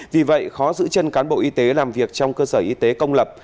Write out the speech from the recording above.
vì vậy khó giữ chân cán bộ y tế làm việc trong cơ sở y tế công lập